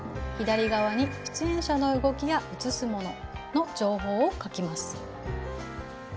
左側に出演者の動きや映すものの情報を書きます。